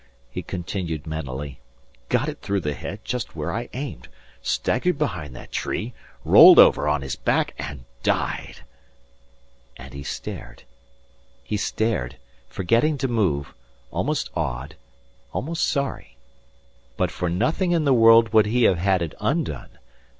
he continued mentally. "Got it through the head just where I aimed, staggered behind that tree, rolled over on his back and died." And he stared. He stared, forgetting to move, almost awed, almost sorry. But for nothing in the world would he have had it undone.